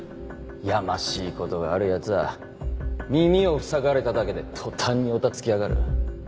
やましいことがあるやつは耳をふさがれただけで途端におたつきやがる。